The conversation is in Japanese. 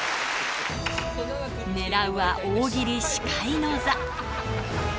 ねらうは大喜利司会の座。